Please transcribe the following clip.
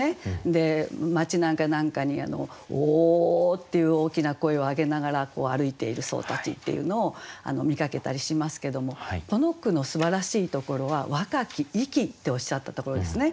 で町なんか何かに「お」っていう大きな声を上げながら歩いている僧たちっていうのを見かけたりしますけどもこの句のすばらしいところは「若き息」っておっしゃったところですね。